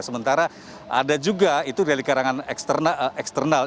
sementara ada juga itu dari karangan eksternal